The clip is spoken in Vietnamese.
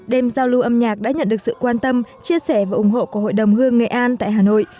đêm giao lưu âm nhạc đã nhận được sự quan tâm chia sẻ và ủng hộ của hội đồng hương nghệ an tại hà nội